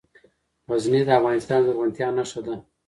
غزني د افغانستان د زرغونتیا نښه ده.